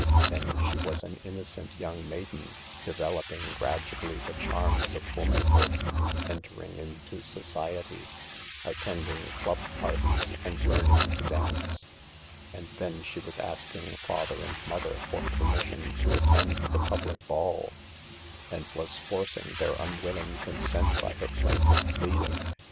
Then she was an innocent young maiden, developing gradually the charms of womanhood, entering into society, attending club parties, and learn ing to dance. And then she was asking father and mother for permission to attend the public ball, and was forcing their unwilling consent by her plaintive pleading.